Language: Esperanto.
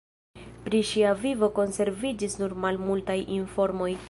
Pri ŝia vivo konserviĝis nur malmultaj informoj.